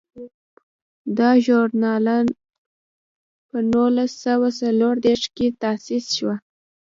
دا ژورنال په نولس سوه څلور دیرش کې تاسیس شو.